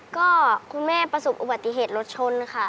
ก็คุณแม่ประสบอุบัติเหตุรถชนค่ะ